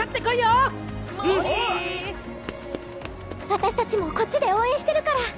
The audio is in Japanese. あたし達もこっちで応援してるから！